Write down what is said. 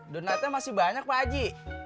donatnya masih banyak pakji